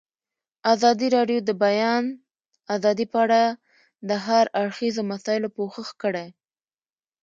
ازادي راډیو د د بیان آزادي په اړه د هر اړخیزو مسایلو پوښښ کړی.